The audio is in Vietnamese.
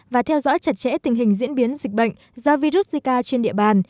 và theo dõi chặt chẽ tình hình diễn biến dịch bệnh do virus zika trên địa bàn